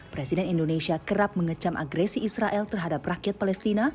presiden indonesia kerap mengecam agresi israel terhadap rakyat palestina